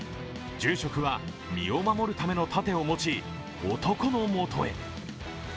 住職は、身を守るための盾を持ち、男の元へ。